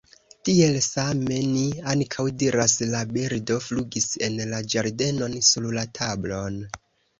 Tiel same ni ankaŭ diras «la birdo flugis en la ĝardenon, sur la tablon».